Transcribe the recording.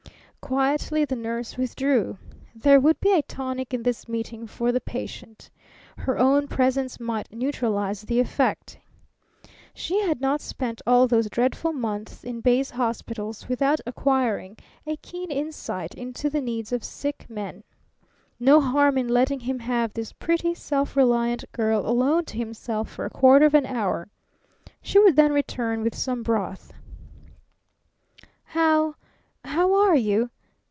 Quietly the nurse withdrew. There would be a tonic in this meeting for the patient. Her own presence might neutralize the effect. She had not spent all those dreadful months in base hospitals without acquiring a keen insight into the needs of sick men. No harm in letting him have this pretty, self reliant girl alone to himself for a quarter of an hour. She would then return with some broth. "How how are you?"